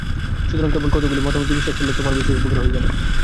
সুতরাং কেবল কতকগুলি মতামতে বিশ্বাস করিলে তোমার বিশেষ কিছু উপকার হইবে না।